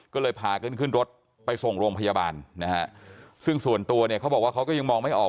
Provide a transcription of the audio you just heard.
ก็เลยพากันขึ้นรถไปส่งโรงพยาบาลนะฮะซึ่งส่วนตัวเนี่ยเขาบอกว่าเขาก็ยังมองไม่ออก